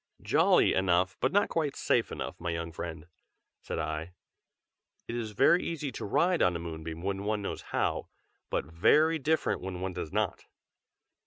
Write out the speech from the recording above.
"Jolly enough, but not quite safe enough, my young friend!" said I. "It is very easy to ride on a moonbeam when one knows how, but very different when one does not.